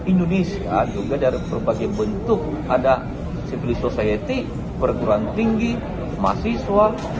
indonesia juga dari berbagai bentuk ada civil society perguruan tinggi mahasiswa